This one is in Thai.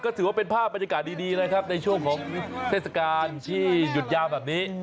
ก็ถือว่าเป็นภาพบรรยากาศดีนะครับในช่วงของเทศกาลที่หยุดยาวแบบนี้